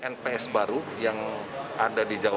nps baru yang ada